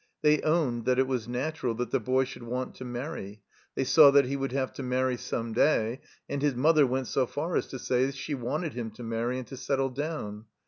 They owned that it was natural that the boy should want to marry; they saw that he would have to marry some day; and his mother went so far as to say she wanted him to marry and to settle down.